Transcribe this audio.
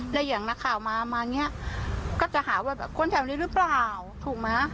และอย่างนักข่าวมามาเนี้ยก็จะหาแบบคนแถวนี้หรือเปล่าถูกมั้ย